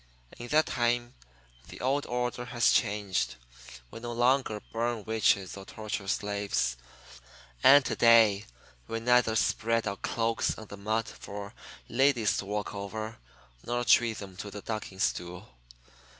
In that time the old order has changed. We no longer burn witches or torture slaves. And to day we neither spread our cloaks on the mud for ladies to walk over nor treat them to the ducking stool.